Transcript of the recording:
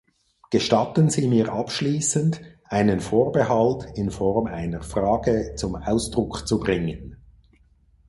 Gestatten Sie mir abschließend, einen Vorbehalt in Form einer Frage zum Ausdruck zu bringen.